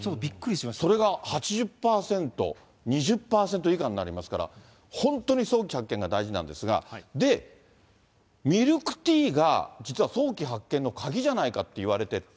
それが８０％、２０％以下になりますから、本当に早期発見が大事なんですが、で、ミルクティーが、実は早期発見の鍵じゃないかっていわれてて。